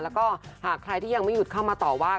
แล้วก็หากใครที่ยังไม่หยุดเข้ามาต่อว่า